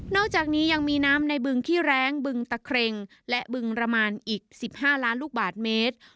อกจากนี้ยังมีน้ำในบึงขี้แรงบึงตะเครงและบึงระมานอีก๑๕ล้านลูกบาทเมตร